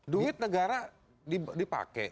duit negara dipakai